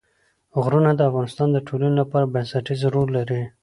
غرونه د افغانستان د ټولنې لپاره بنسټيز رول لري.